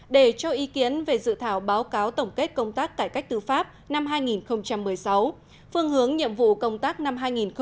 để cho ý kiến về dự thảo báo cáo tổng kết công tác cải cách tư pháp năm hai nghìn một mươi sáu phương hướng nhiệm vụ công tác năm hai nghìn hai mươi